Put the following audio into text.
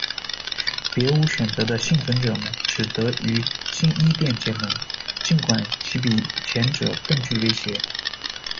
别无选择的幸存者们只得与“新伊甸”结盟，尽管其比前者更具威胁。